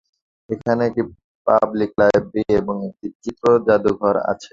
এখানে একটি public library এবং একটি চিত্র জাদুঘর আছে।